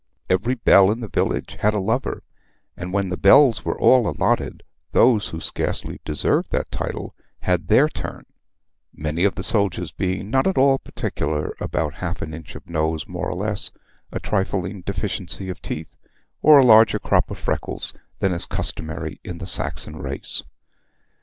Every belle in the village soon had a lover, and when the belles were all allotted those who scarcely deserved that title had their turn, many of the soldiers being not at all particular about half an inch of nose more or less, a trifling deficiency of teeth, or a larger crop of freckles than is customary in the Saxon race.